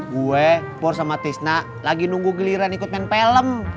gue por sama tisna lagi nunggu giliran ikut main film